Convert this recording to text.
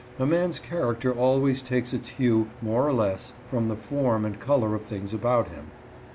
A man's character always takes its hue, more or less, from the form and color of things about him.